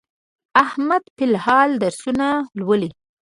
احمد فل الحال درسونه لولي.